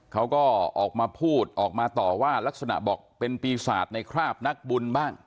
เขาก็ออกมาพูดออกมาต่อว่าลักษณะบอกเป็นปีศาจในคราบนักบุญบ้าง